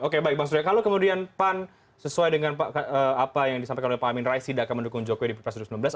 oke baik bang surya kalau kemudian pan sesuai dengan apa yang disampaikan oleh pak amin rais tidak akan mendukung jokowi di pilpres dua ribu sembilan belas